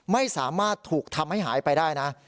ไม่สามารถถูกทำให้หายไปได้นะ